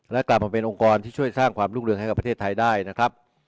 และกลับมาเป็นองค์กรที่ช่วยสร้างความรุ่งเรืองให้กับประเทศไทยได้นะครับ